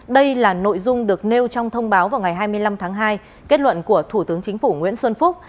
đây là nội dung được nêu trong thông báo vào ngày hai mươi năm tháng hai kết luận của thủ tướng chính phủ nguyễn xuân phúc